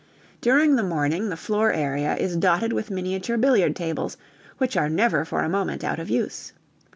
During the morning the floor area is dotted with miniature billiard tables which are never for a moment out of use.